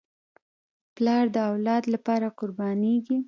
پلار د اولاد لپاره قربانېږي.